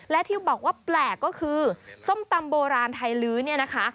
และที่บอกว่าแปลกก็คือส้มตำโบราณไทยลื้อเนี่ยนะคะ